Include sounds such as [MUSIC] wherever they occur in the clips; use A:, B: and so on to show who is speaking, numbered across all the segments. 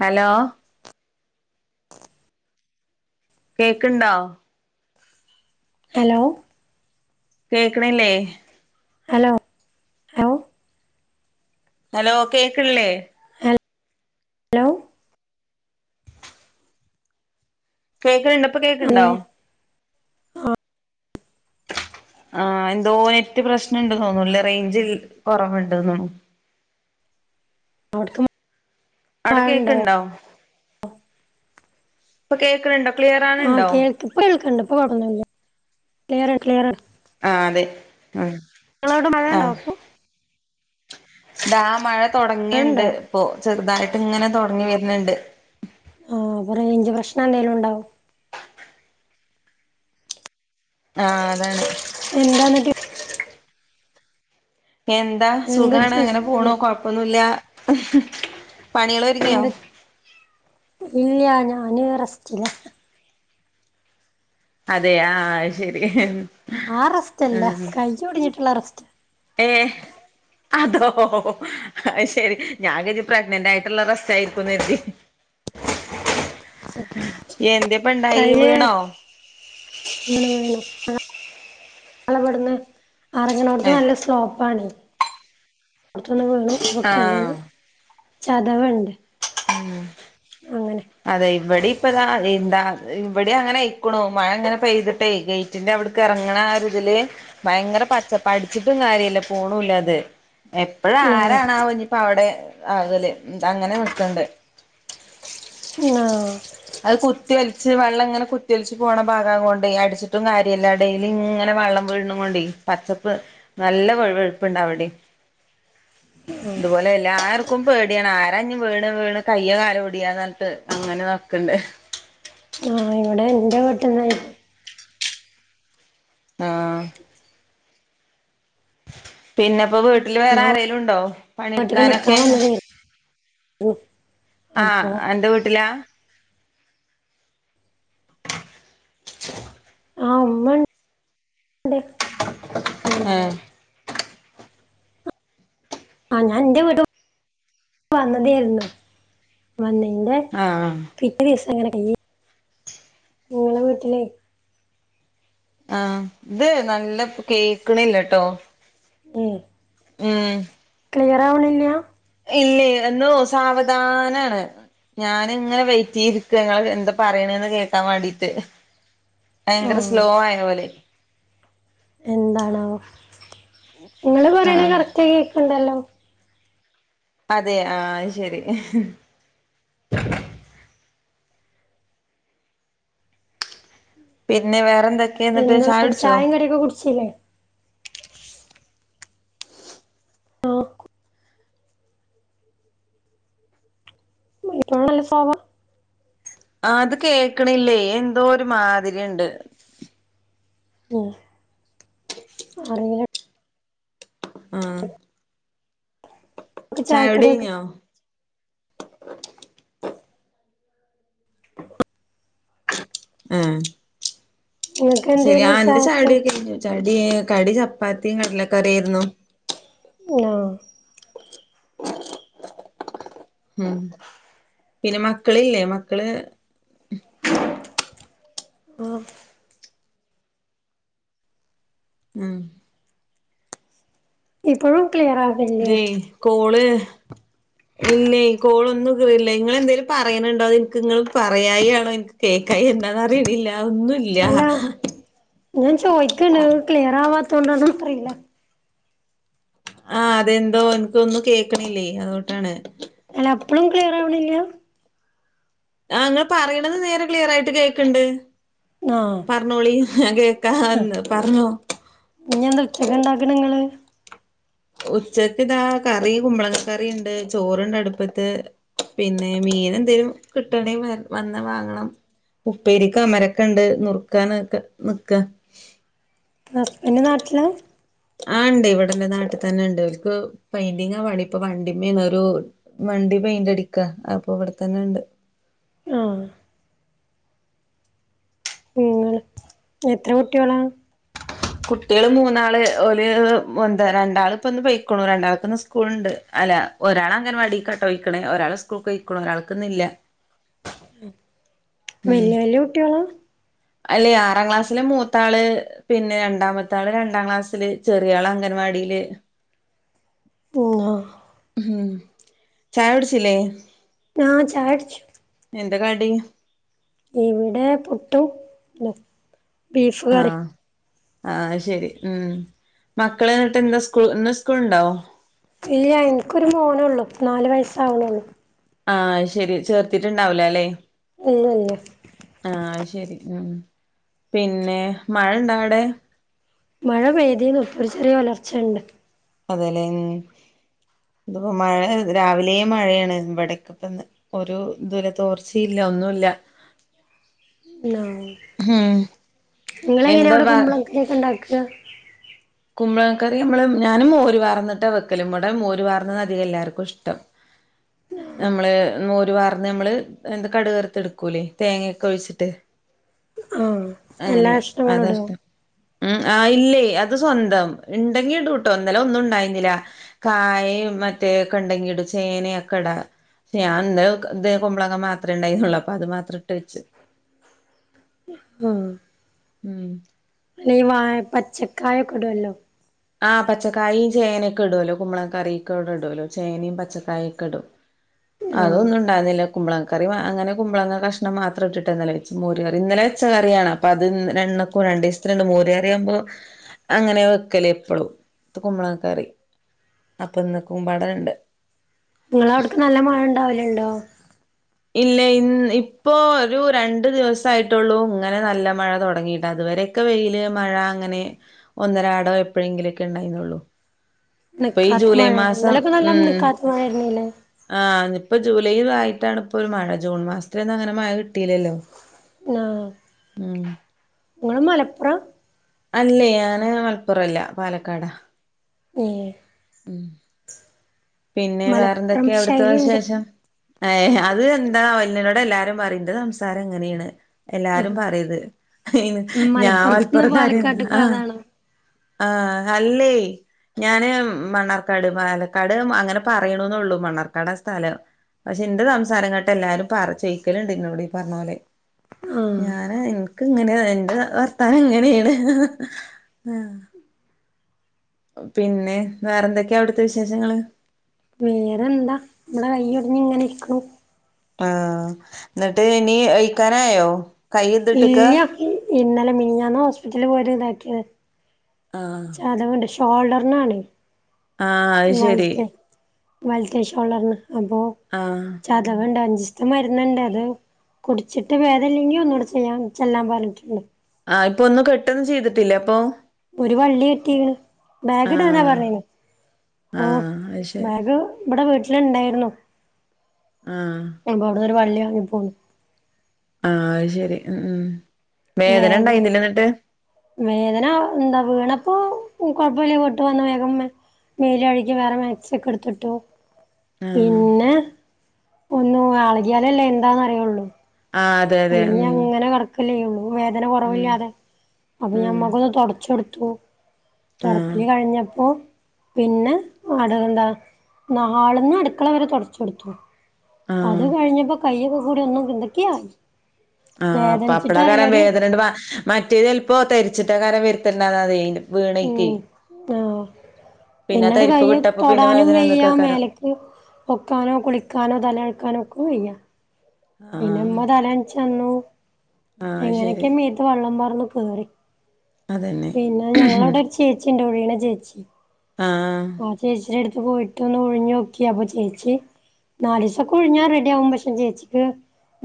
A: Hello കേക്ക്ണ്ടോ?
B: Hello
A: കേക്ക്ണില്ലേയ്
B: hello hello
A: hello കേക്ക്ൺലേ
B: ലോ
A: കേക്ക്ണ് ണ്ട് ഇപ്പൊ
B: അതെ
A: കേക്ക്ണ്ടോ?
B: ആ
A: ആഹ് എന്തോ നെറ്റ് പ്രശ്നണ്ട് തോന്നൂല്ലേറേഞ്ചിൽ കുറവുണ്ട് തോന്നുന്നു.
B: അവിട്ക്കും
A: അവടെ കേക്ക്ണ്ടോ. ഇപ്പ കേക്ക്ണ്‌ണ്ട
B: ആഹ് കേൾക്ക് ഇപ്പ കേൾക്കണ്ട്. ഇപ്പൊ കൊഴപ്പൊന്നുല്ല. ക്ലിയറാണ്‌ ക്ലിയറാണ്
A: ആഹ് അതെ ഉം
B: ഇങ്ങളവിടെ മഴ ണ്ടോ
A: ആഹ്
B: പ്പോ?
A: ദാ മഴ തൊടങ്ങിണ്ട്
B: മഴണ്ടോ
A: പ്പൊ ചെറുതായിട്ട് ങ്ങനെ തൊടങ്ങി വര്ന്ണ്ട്.
B: ആഹ്, വടെ റേഞ്ച് പ്രശ്നം എന്തേലും ണ്ടാവും.
A: ആഹ്, അതാണ്.
B: എന്താന്നട്ട്
A: എന്താ..
B: എന്താ
A: സുഖാണ് അങ്ങനെ പോണു. കൊഴപ്പൊന്നുല്ല പണിയേള് ഒരുങ്ങിയോ?
B: ഇല്യാ ഞാന് റസ്റ്റ്ലാ.
A: അതേ, ആഹ് അയ്ശരി
B: ആഹ് റെസ്റ്റല്ല കയ്യൊടിഞ്ഞിട്ട്ള്ള റസ്റ്റ
A: ഏഹ് അതോ.. അയ്ശെരി ഞാൻ കരുതി പ്രഗ്നന്റ് ആയിട്ട്ള്ള റെസ്റ്റ് ആയിരിക്കും ന്നെര്തി.
B: [INAUDIBLE]
A: എന്തേപ്പ ണ്ടായീ വീണോ.
B: വീണു, വീണു ഞങ്ങളെ വട്ന്ന് അറങ്ങ്ണോട്ത്
A: ഏ
B: നല്ല സ് സ്ലോപ്പാണേ. പുറത്തൊന്നു വീണ്. അപ്പ
A: ആഹ്
B: കയ്യിന് ചതവ്ണ്ട്.
A: ഉം അതെ ഇവടീം പ്പതാ വീണ്ടാ വടിം അങ്ങനെ അയ്ക്കുണു. മഴ ങ്ങനെ പെയ്തിട്ടേയ്, ഗെയ്റ്റിന്റെ അവിടക്ക് എറങ്ങണ ആ ഒരു തില് ഭയങ്കര പച്ചപ്പ, അടിച്ചിട്ടും കാര്യല്ല പോണൂല്ലത്. പ്പോഴ
B: ആ
A: ആരാണാവോ ഞ്ഞിപ്പവടെ ആകല്. അങ്ങനെനിക്കണ്ട്
B: ങ്ങാ
A: അത് കുത്തി ഒൽച്ച് വെള്ളം ങ്ങനെ കുത്തിഒൽച്ച് പോണ ഭാഗകോണ്ടേയ് അടിച്ചിട്ടും കാര്യല്ല. ഡെയിലി ങ്ങനെ വെള്ളം വീഴ്ണുംകൊണ്ടേയ് പച്ചപ്പ് നല്ല വഴുവഴുപ്പ് ണ്ടവിടിം.
B: [INAUDIBLE]
A: ഇതുപോലെ എല്ലാർക്കും പേടിയാണ്. ആരാഞ്ഞി വീണ് വീണ് കയ്യോ കാലോ ഒടിയാ ന്നർഞ്ഞിട്ട് അങ്ങന താ ക്ക്ണ്ട്
B: ആഹ് ഇവിടെ ന്റെ വീട്ട്ന്ന്.
A: ആഹ് പിന്നെപ്പോ വീട്ടില് വേറെ
B: ഞാൻ
A: ആരേലും ണ്ടോ
B: വീട്ടില് നിക്കാൻ
A: പണിട്ക്കാനൊക്കെ.
B: വന്നതായിരുന്നു
A: ആഹ്
B: അപ്പൊ
A: അന്റെ വീട്ടിലാ [INAUDIBLE]
B: ആ ഉമ്മ ണ്ട് പിന്നെ
A: ഏഹ്
B: ആഹ് ഞാൻ ന്റെ വീടു വന്നതേര്ന്നു. വന്നെന്റെ
A: ആഹ്
B: പിറ്റേ ദിവസം ങ്ങനെ കയ്യ് ങ്ങളെ വീട്ടില്
A: ആഹ് ഇത് നല്ല കേക്ക്ണില്ലട്ടോ?
B: ഉം-
A: ഉം-
B: ക്ലിയറാവണില്ലാ-
A: ഇല്ലേയ് എന്നോ സാവധാനാണ്- ഞാനിങ്ങനെ വെയിറ്റിയ്തിരിക്ക ങ്ങൾ എന്താ പറയണന്ന് കേൾക്കാൻ വാണ്ടീട്ട്- ഭയങ്കര
B: ആഹ്
A: സ്ലോ ആയ പോലെ.
B: എന്താണാവോ, ഇങ്ങള് പറയ്ണ
A: ആഹ്
B: കറക്റ്റ് ആയി കേൾക്ക്ണ്ടല്ലോ.
A: അതേ ആഹ് അയ്ശരി- പിന്നെ വേറെന്തൊക്കേന്നട്ട് ചായൊട്ച്ചോ?
B: ടിയൊക്കെ കുടിച്ചിലെ ആഹ് [UNINTELLIGIBLE] നല്ല സൊ
A: ആഹ് അത് കേക്കണില്ലേ എന്തോ ഒരു മാതിരിയുണ്ട്-
B: ഓഹ് -
A: [INAUDIBLE]
B: അറിയില-
A: ആഹ് - ചായ
B: ചായക്കടിയൊക്കെ
A: കുടികയിഞ്ഞോ- ആഹ്
B: നിങ്ങക്ക്
A: ശരി
B: എന്തേരുന്നു
A: ആഹ് എന്റെ
B: ചായക്ക്
A: ചായകുടികഴിന്നു- ചടി കടി ചപ്പാത്തിയും കടലക്കറിയിരുന്നു-
B: ഉവ്വാ -
A: [INAUDIBLE] മ് പിന്നെ മക്കളില്ലേ മക്കള്-
B: ഓഹ് -
A: ഉം-
B: ഇപ്പൊഴും ക്ലിയറാ-
A: ഏയ് കോള് ഇല്ലേ കോളൊന്നും- നിങ്ങള് എന്തെങ്കലും പറയണുണ്ടോ എനിക്ക്ങ്ങൾ പറയായി ആണോ എനിക്ക് കേക്കായി എന്താന്ന് അറിയണില്ല-
B: അല്ല
A: അതൊന്നുമില്ല്യാ-
B: ഞാൻ ചോദിക്കണ് ക്ലിയർ ആവാത്തോണ്ടാന്നോ അറയില്ല-
A: ആഹ് അതെന്തോ എനക്ക്ഒന്നും കേൾക്കണില്ലേ അതൂട്ടാണ്-
B: അല്ല അപ്പളും ക്ലിയറാവണില്ല്യ-
A: ആഹ് ഇങ്ങള് പറയണെത് നേരെ ക്ലിയർ ആയിട്ട് കേക്ക്ണ്ട് -
B: ആഹ്
A: പറഞ്ഞോളി ഹാഞാൻ കേൾക്കാറ്ണ്ട് പറഞ്ഞോ-
B: ഇനിയെന്ത് ഉച്ചക്ക് ഉണ്ടാക്കണേങ്ങള്-
A: ഉച്ചക്ക് ഇതാ കറി കുമ്പളങ്ങകറിണ്ട് ചോറ്ണ്ട് അട്പ്പത്ത്- പിന്നെ മീൻ എന്തേലും കിട്ടണേ വ വന്നാ വാങ്ങണം- ഉപ്പേരിക്ക് അമരക്കാണ്ട് നുറുക്കാനാട്ട് നിക്കാ-
B: ഹസ്ബൻഡ് നാട്ടിലാ-
A: ആഹ് ഇണ്ട് ഇവിടെന് നാട്ടിൽ തന്നെ ഉണ്ട് ഇവർക്ക് പെയിന്റിങ്ങാ പണി ഇപ്പൊ വണ്ടിമ്മേന്നൊരു- വണ്ടി പെയിന്റ് അടിക്കാ അപ്പൊ ഇവിടെത്തന്നെണ്ട്-
B: ആഹ് - അങ്ങനെ എത്ര കുട്ടികളാ-
A: കുട്ടികള് മൂന്നാള് ഓല് രണ്ടാള് ഇപ്പ ഒന്ന് പൊയക്കണു രണ്ടാൾക്ക്ന്ന് ഉസ് സ്കൂള്ണ്ട് അല്ല ഒരാളങ്ങനവാടിക്കാ പോയിക്കണേ ഒരാളെ സ്കൂൾക്ക് പോയ് ഒരാൾക്ക്ന്ന്ല്ല-
B: വല്ല്യ വല്ല്യ കുട്ടികളാ-
A: അല്ലേ ആറാം ക്ലാസ്സിലെ മൂത്താള് പിന്നെ - രണ്ടാമത്താള് രണ്ടാം ക്ലാസ്സില് ചെറിയാള് അംഗൻവാടീല്-
B: ആഹ്
A: മ്ഹ് ചായ കുടിച്ചില്ലേ-
B: ആഹ് ചായകുടിച്ചു-
A: എന്താ കടി-
B: ഇവിടെ പുട്ടും ബീഫ് കറി
A: ആഹ് അഹ്ആഹ് ശരി. ഉം മക്കള് [UNINTELLIGIBLE] ന്ന് സ്ക്കൂൾ ഇന്ന് സ്കൂൾ ണ്ടൊ?
B: ഇല്ല്യ. ൻക്കൊരു മോനൊള്ളൂ. നാല് വയസ്സവ്ണൊള്ളൂ
A: ആഹ് ശരി. ചേർത്തിട്ട്ണ്ടാവൂലാ ല്ലെ?
B: ഇല്ല ഇല്ല്യ
A: ആഹ് ശരി. ഉം പിന്നെ മഴണ്ടാടേ?
B: മഴ പെയ്തിന്ന് ഒര് ചെറിയ ഒലർച്ചണ്ട്.
A: അതെലേ. തോം മഴേ രാവിലേ മഴേണ്. വടെക്ക പ്പ ഒരു ത് രെ തോർച്ചയില്ല. ഒന്നുല്ല
B: ന്നാ.
A: ഉം
B: ങ്ങളെങ്ങനെയാ
A: എന്താ
B: അവടെ
A: വ
B: കുമ്പള കേക്ക് ണ്ടാക്കാ
A: കുമ്പളങ്ങക്കറി അമ്മള് ഞാനും മോര് പാർന്ന്ട്ടാ വെക്കല്. മ്മടെ മോര്പാർന്നതാ അതിക എല്ലാർക്കും ഇഷ്ടം
B: ന്നാ
A: നമ്മള് മോരു പാർന്ന് അമ്മള് എന്ത് കടുക് വർത്ത് ട്ക്കൂലേ തേങ്ങ ഒക്കെ ഒഴിച്ചിട്ട്.
B: ആഹ് എല്ലാ
A: അങ്ങനെ
B: കഷ്ണങ്ങളും ഇടോ
A: അതാഷ്ടം. ഉം അഹാ ഇല്ലേ ത് സ്വന്തം. ഇണ്ടെങ്കി ഇടുംട്ടോ. ഇന്നലെ ഒന്നുംണ്ടായിന്നിലാ കായിം മറ്റേ ക്കെണ്ടെങ്കിടും. ചേന യെക്കടാ ഞാൻ ന്നലെക്കെ ത് കുമ്പളങ്ങ മാത്രേ ണ്ടായിര്ന്നുള്ളൂ അപ്പൊ അത് മാത്രം ട്ട് വെച്ച്.
B: ആഹ്
A: ഉം
B: അല്ല ഈ വാഴ പച്ചക്കായക്കെ ഇ ടൊല്ലൊ.
A: ആഹ് പച്ചക്കായിം, ചേനക്കെ ഇ ടൊലൊ. കുമ്പളക്കറീക്ക് ഔടെ ഇ ടൊലൊ. ചേനിം, പച്ചക്കായക്കെ ഇടും.
B: ആഹ്
A: അതൊന്നുൺ ണ്ടാര്ന്നില്ല. കുമ്പളങ്ങക്കറി വ അങ്ങനെ കുമ്പളങ്ങ കഷ്ണം മാത്രം ഇട്ട്ട്ട് ഇന്നലെ വെച്ച്. മോര് കറി ന്നലെ വെച്ചറിയാണ്. അ പ്പത് ൺ എണ്ണക്കും രണ്ടീസ്ത്ത്ന് ണ്ട്. മോര് കറിയാമ്പോ അങ്ങനെ വെക്കല്. പ്പളും. ത്ത് കുമ്പളങ്ങക്കറി. അപ്പൊന്നക്കുംപാടെണ്ട്.
B: ങ്ങളവ്‌ട്ക്ക് നല്ല മഴ ണ്ടാവല്ണ്ടോ?
A: ഇല്ല. ഇന്ന് ഇപ്പോ ഒരു രണ്ട് ദിവസായിട്ടുള്ളൂ ങ്ങനെ നല്ല മഴ തൊടങ്ങീട്ട്. അതുവരെ ക്കെ വെയില്, മഴ അങ്ങനെ ഒന്നരാടൊ എപ്പോഴെങ്കിലെക്കെ ണ്ടായിന്നൊള്ളു.
B: ന്നിക്കാത്ത മഴല്ലേ. ഇന്നാലൊക്കെ നല്ല ന്നിക്കാത്ത മഴായിരുന്നില്ലേ?
A: ആഹ്. ന്ന് പ്പൊ ജൂലൈ ആയിട്ടാണ് പ്പൊരു മഴ. ജൂൺ മാസത്തിലൊന്നങ്ങനെ മഴ കിട്ടീലല്ലോ. ഉം
B: ങ്ങള്! ! ! ! ! ! !
A: അല്ലേയ് ഞാന്! ! ! ! ! ! !
B: ഏഹ്
A: ഉം. പിന്നെ
B: മലപ്പുറം
A: വേറെന്തൊക്കെ അവി ട്ത്തെ
B: ശൈലിയുണ്ട്
A: വശേഷം ഏഹേ അത് എന്താവോ [UNINTELLIGIBLE] ട് എല്ലാരും പറിം. ന്റെ സംസാരം ഇങ്ങനേണ്. എല്ലാരും പറിംത്. ഞാൻ! ! ! ! !
B: മലപ്പുറത്തുന്ന് ! !
A: ആണ്.
B: പാലക്കാട്ട്ക്ക്
A: ആഹ്
B: പോയതാണോ
A: ആഹ്. അല്ലേയ് ഞാന് മ് ! ! ! ! ! ! ! പക്ഷെ ന്റെ സംസാരം കേട്ടാ എല്ലാരും പറ ചൊയ്ക്കല്ണ്ട് ന്നോട്. ഈ പർഞ്ഞ പോലെ
B: ആഹ്
A: ഞാന് ഇൻക്ക് ഇങ്ങനേ [UNINTELLIGIBLE] ന്റെ സ വർത്താനം ഇങ്ങനേണ്. ഹാ പിന്നെ വേറെന്തൊക്കെ അവ്ട്ത്തെ വിശേഷങ്ങള്
B: വേറെന്താ വടെ കൈയ്യൊട്ഞ്ഞ് ങ്ങനെ ഇര്ക്കും
A: ആഹ്. ന്ന്ട്ട് ഇനി അഴിക്കാനായോ?
B: ഇല്ല്യ. ഇന്നലെ. മി ഞ്ഞഞ്ഞാന്നാ ഹോസ്പിറ്റല് പോയത് ഇതാക്കിയെ
A: ആഹ്
B: അതുകൊണ്ട് ഷോൾഡർനാണ്
A: ആഹ് അത് ശരി
B: വൽത്തെ വൽത്തെ ഷോളർന് അപ്പോ
A: ആഹ്
B: ചതവ്ണ്ട് അഞ്ചിസ്ത്തെ മരുന്നുണ്ട് അത് കുടിച്ചിട്ട് ബേദല്ലെങ്കിൽ ഒന്നുടെ ചെയ്യാൻ ചെല്ലാൻ പറഞ്ഞിട്ടുണ്ട്.
A: ആഹ് ഇപ്പൊ ഒന്നും കെട്ടൊന്നും ചെയ്തിട്ടില്ല അപ്പൊ?
B: ഒരു വള്ളി കെട്ടീണ്. ബാഗ്ടാനാ
A: ആഹ്
B: പറഞ്ഞേ. ഓഹ്
A: ആഹ് അത് ശരി
B: ബാഗ് ബടെ വീട്ടില് ഇണ്ടായിരുന്നു.
A: ആഹ്
B: അപ്പ അവ്ട്ന്നൊരു വള്ളിയാങ്ങി പോന്ന്
A: ആഹ് അയ് ശരി ഉം ഉം വേദന
B: മേഗ്
A: ഉണ്ടായിരുന്നില്ലേ എന്നിട്ട്
B: വേദന ന്ത വീണപ്പോ കൊഴപ്പല്ല്യ വീട്ട് വന്ന് വേഗം മെ മേല് അഴികി വേറെ മാക്സി ഒക്കെ ഇടുത്തിട്ടു
A: ആഹ്
B: പിന്നെ ഒന്നു വാളകിയാലല്ലേ എന്താന്ന് അറിയുള്ളൂ.
A: ആഹ് അതെ അതെ
B: അല്ലെങ്കി
A: ഉം
B: അങ്ങനെ കെട് ക്കല്ലേയുള്ളൂ വേദന
A: ഉം
B: കൊറവില്ലാതെ. അപ്പൊ ഞാൻ
A: ഉം
B: മൊഖൊന്ന് തൊടച്ചൊടുത്തു
A: ആഹ്
B: തൊടക്കല് കഴിഞ്ഞപ്പോ പിന്നെ വാടകെന്താ ന്നാള്ന്ന് അട്ക്കള വരെ തൊടച്ചൊടുത്തു.
A: ആഹ്
B: അത് കഴിഞ്ഞപ്പോ കയ്യൊക്കെ കൂടി ഒന്നും ക് എന്തെക്കേ ആയി
A: ആഹ് പ്പാപ്ള ളറിയാൻ വേദനണ്ട് വ മറ്റേത് ചെൽപ്പോ തെരിച്ചിട്ട് കാരം വരുത്തൽന്നാതതെയ് വീണയ്ക്കെ
B: ഉം ആഹ് പിന്നണ്ട്
A: തരിപ്പ്
B: കയ്യ്
A: വിട്ടപ്പോ പിന്നെ
B: തൊടാനും
A: വേദന
B: വെയ്യ
A: വന്നക്കാക്കാരം
B: മേലക്ക് പൊക്കാനോ കുളിക്കാനോ തല നനക്കാനോ ഒക്കു വയ്യാ പിന്നെ ഉമ്മ
A: ആഹ്
B: തലൻച്ചന്നു.
A: ആഹ് ശരി
B: എങ്ങനൊക്കെ മീ ത്ത് വെള്ളം പാർന്ന് കേറി.
A: അതന്നെ
B: പിന്നെ ഞങ്ങളവിടെ ഒരു ചേച്ചി ഇണ്ട് ഉഴിയണ ചേച്ചി
A: ആഹ്
B: ആ ചേച്ചിടെ അടുത്ത് പോയിട്ട് ഒന്ന് ഉഴിഞ്ഞോക്കി അപ്പൊ ചേച്ചി നാലിസൊക്കെ ഉഴിഞ്ഞാ റെഡി ആവും പക്ഷേ ചേച്ചിക്ക്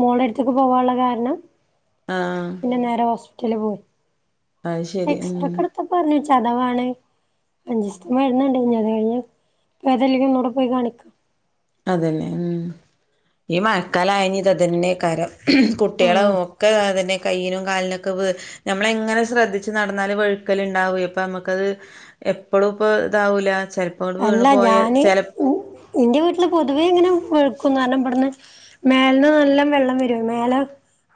B: മോളട്ത്ത്ക്ക് പോവാള്ള കാരണം
A: ആഹ്
B: പിന്നെ നേരെ ഹോസ്പിറ്റല് പോ.
A: അത് ശരി ഉം
B: എക്സ്റക്കെട്ത്തപ്പർഞ്ഞ് ചതവാണ്. അഞ്ചിസ്ത് ന് മരുന്ന്ണ്ട് ഇഞ് അത് കഴിഞ് ഭേദല്ലെങ്കി ഒന്നൂടെ പോയി കാണിക്ക
A: അതന്നെ ഉം ഈ മഴക്കാലായ ഞിതതന്നെ കാരം കുട്ടികളൊ
B: ആഹ്
A: ഒക്കെ അതെന്നെ കൈയ്യിനും കാലിനൊക്കെ വ് ഞമ്മള് എങ്ങനെ ശ്രദ്ധിച്ച് നടന്നാലും വഴുക്കൽ ഇണ്ടാവേ ഇപ്പ മ്മുക്കത് എപ്പളും ഇപ്പോ താവൂല ചെൽ
B: അല്ല ഞാന് ഉം ഇന്റെ വീട്ടില് പൊതുവേ ഇങ്ങനെ വഴുക്കും കാരണം ഇവിടുന്ന് മേൽന്ന് നല്ലം വെള്ളം വരെ മേലെ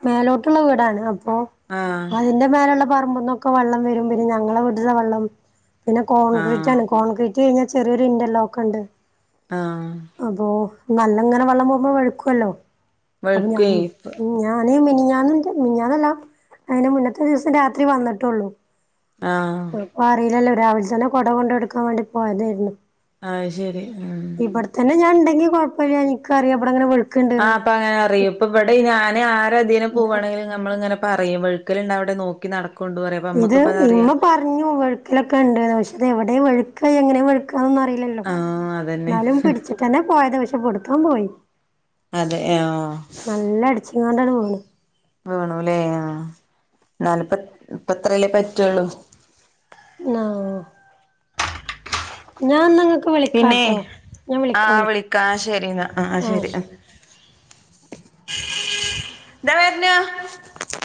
B: മേലോട്ടുള്ള വീടാണ് അപ്പൊ
A: ആഹ്
B: ഇന്റെ മേലള്ള പറമ്പുന്നൊക്കെ വെള്ളം വരും പിന്നെ ഞങ്ങളെ വീടുത്തെ വെള്ളം പിന്നെ കോൺക്രീറ്റ്
A: ആഹ്
B: ആണ് കോൺക്രീറ്റ് കഴിഞ്ഞാ ചെറിയൊരു ഇന്റർലോക്ക് ഇണ്ട്
A: ആഹ്
B: അപ്പൊ നല്ലങ്ങനെ വെള്ളം പോവുമ്പോ വഴുക്കല്ലോ അപ്പൊ ഞം
A: വഴുക്കുവേ ഇപ്പ
B: ഉം ഞ ഞാന് മിനിഞ്ഞാന്ന് ൻ്റെ മിനിഞ്ഞാന്നല്ലാ അയിന് മുന്നത്തെ ദിവസം രാത്രി വന്നിട്ടൊള്ളൂ.
A: ആഹ്
B: ഇപ്പൊ അറിയില്ലല്ലോ രാവിൽ തന്നെ കൊട കൊണ്ടൊടുക്കാൻ വേണ്ടി പോയതേയിരുന്നു.
A: ആഹ് ശരി ഉം
B: തന്നെ ഞാൻ ഇണ്ടെങ്കി കൊഴപ്പല്ല്യ നിക്ക് അറിയാം ഇവടെ ഇങ്ങനെ വഴ്
A: ആഹ് അപ്പൊ അങ്ങനെ അറിയും ഇപ്പൊ ഇവടെ ഞാന് ആര് തിന്
B: ഇത്
A: പോവാണെങ്കിലും നമ്മളിങ്ങനെ പറ യും വഴുക്കലുണ്ടവിടെ നോക്കി നടക്കൊണ്ട് പറയാം
B: ഇത് ഇമ്മ പറഞ്ഞു വെഴുക്കലൊക്കെ ഇണ്ട്ന്ന് പക്ഷെ തെവിടെ വെഴുക്ക എങ്ങനെയാ വെഴുക്കന്നൊന്നും അറിയി ലല്ലോ
A: ആഹ് അതന്നെ
B: ന്നാലും പിടിച്ചിട്ടന്നെ പോയത് പഷേ പിടുത്തം പോയി
A: അതെ ആഹ്
B: നല്ല അടിച്ചങ്ങാണ്ടണ്ട് വീണ്
A: വീണൂല്ലേ ആഹ് ന്നാലും പ്പ ഇപ്പത്രല്ലേ പറ്റിള്ളൂ
B: ന്നാഹ് ഞാൻ ന്ന ഇങ്ങക്ക്
A: പിന്നെ
B: വിളിക്കാട്ടോ ഞാൻ വിളിക്കാം
A: ആഹ്
B: വിളിക്കാ
A: ശരി എന്നാ
B: ആഹ് ശരി
A: താ വരുനു